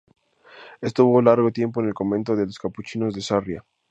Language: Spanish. Estuvo largo tiempo en el convento de los capuchinos de Sarriá.